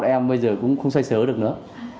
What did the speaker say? như thế bọn em bây giờ cũng không xoay xới được nữa